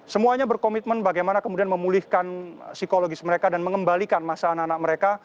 semuanya berkomitmen bagaimana kemudian memulihkan psikologis mereka dan mengembalikan masa anak anak mereka